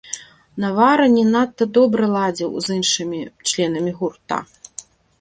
Навара не надта добра ладзіў з іншымі членамі гурта.